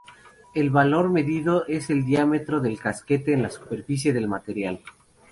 El valor medido es el diámetro del casquete en la superficie del material.